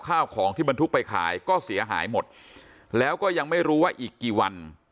ข้าวของที่บรรทุกไปขายก็เสียหายหมดแล้วก็ยังไม่รู้ว่าอีกกี่วัน